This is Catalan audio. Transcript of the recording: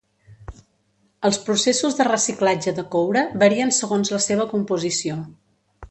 Els processos de reciclatge de coure varien segons la seva composició.